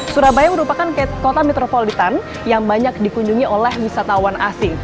surabaya merupakan kota metropolitan yang banyak dikunjungi oleh wisatawan asing